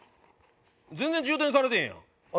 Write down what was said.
全然充電されてへんやん。